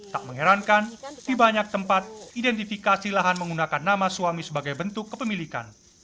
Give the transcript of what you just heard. tak mengherankan di banyak tempat identifikasi lahan menggunakan nama suami sebagai bentuk kepemilikan